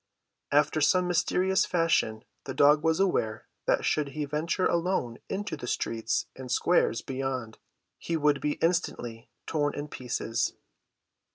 After some mysterious fashion the dog was aware that should he venture alone into the streets and squares beyond he would be instantly torn in pieces.